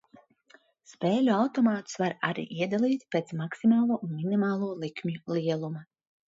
Spēļu automātus var arī iedalīt pēc maksimālo un minimālo likmju lieluma.